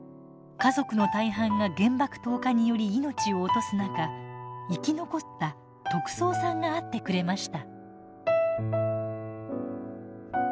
家族の大半が原爆投下により命を落とす中生き残った三さんが会ってくれました。